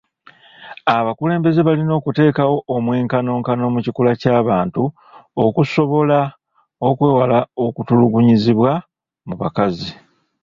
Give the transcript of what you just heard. Abakulembeze balina okuteekawo omwenkanonkano mu kikula ky'abantu okusobola okwewala okutulugunyizibwa mu bakazi.